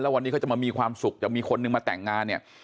วันนี้เขาจะมามีความสุขจะมีคนนึงมาแต่งงานเนี่ย